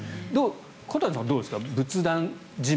小谷さんはどうですか？